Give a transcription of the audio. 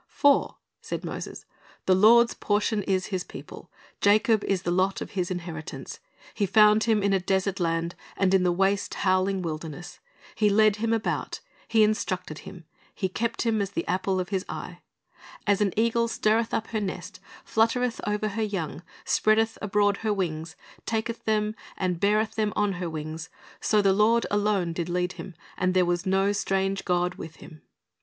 "^ "For," said Moses, "the Lord's portion is His people; Jacob is the lot of His inheritance. He found him in a desert land, and in the waste howling wilderness; He led him about. He instructed him, He kept him as the apple of His eye. As an eagle stirreth up her nest, fluttereth over her young, spreadeth abroad her wings, taketh them, beareth them on her wings: so the Lord alone did lead him, and there was no strange god with him."